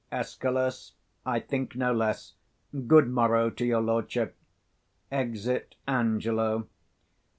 Escal. I think no less. Good morrow to your lordship. [_Exit Angelo.